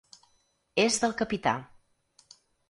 És del capità.